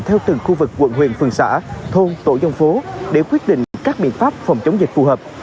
theo từng khu vực quận huyện phường xã thôn tổ dân phố để quyết định các biện pháp phòng chống dịch phù hợp